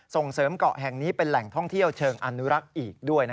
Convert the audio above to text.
ส่งเสริมเกาะแห่งนี้เป็นแหล่งท่องเที่ยวเชิงอนุรักษ์อีกด้วย